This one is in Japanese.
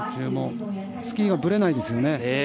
スキーがぶれないですよね。